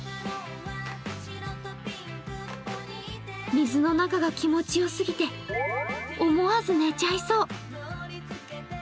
水の中が気持ちよすぎて思わず寝ちゃいそう。